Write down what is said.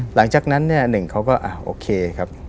หลังจากนั้นเนี่ยหนึ่งเขาก็โอเคครับ